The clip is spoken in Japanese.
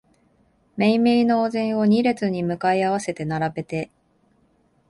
めいめいのお膳を二列に向かい合わせに並べて、